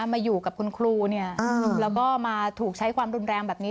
มาอยู่กับคุณครูแล้วก็มาถูกใช้ความรุนแรงแบบนี้